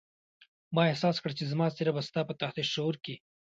ما احساس کړه چې زما څېره به ستا په تحت الشعور کې.